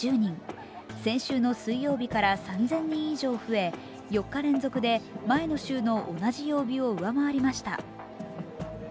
先週の水曜日から３０００人以上増え、４日連続で前の週の同じ曜日を上回りました。